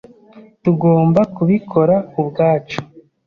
Tugomba kubikora ubwacu.